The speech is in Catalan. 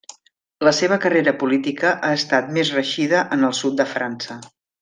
La seva carrera política ha estat més reeixida en el sud de França.